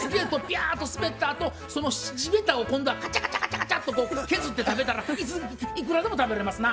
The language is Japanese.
ゃっと滑ったあとその地べたを今度はカチャカチャカチャカチャっとこう削って食べたらいくらでも食べれますな。